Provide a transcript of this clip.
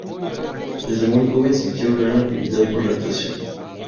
Desde muy joven sintió gran afinidad por la actuación.